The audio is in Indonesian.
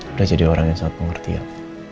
sudah jadi orang yang sangat pengertian